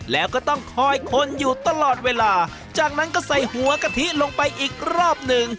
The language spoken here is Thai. แล้วก็ต้องคอยคนอยู่ตลอดเวลาจากนั้นก็ใส่หัวกะทิลงไปอีกรอบหนึ่ง